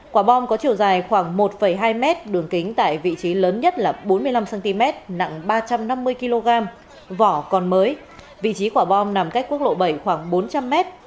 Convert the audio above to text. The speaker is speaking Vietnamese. quả bom có chiều dài khoảng một hai m đường kính tại vị trí lớn nhất là bốn mươi năm cm nặng ba trăm năm mươi kg vỏ còn mới vị trí quả bom nằm cách quốc lộ bảy khoảng bốn trăm linh m